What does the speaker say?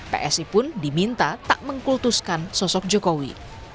psi pun diminta tak mengkultuskan sosok jokowi